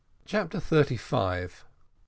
CHAPTER THIRTY FIVE. MR.